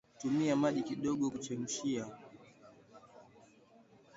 Tumia maji kidogo kuchemshia